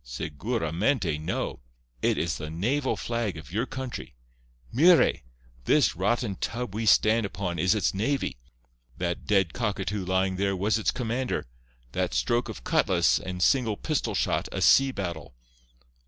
Seguramente no. It is the naval flag of your country. Mire! This rotten tub we stand upon is its navy—that dead cockatoo lying there was its commander—that stroke of cutlass and single pistol shot a sea battle.